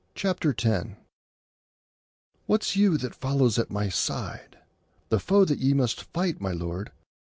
CHAPTER X What's you that follows at my side?— The foe that ye must fight, my lord.